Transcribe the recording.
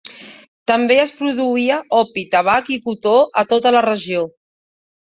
També es produïa opi, tabac i cotó a tota la regió.